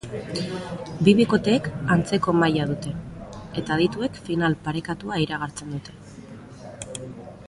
Bi bikoteek antzeko maila dute eta adituek final parekatua ifragartzen dute.